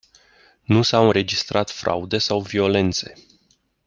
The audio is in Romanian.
Nu s-au înregistrat fraude sau violențe.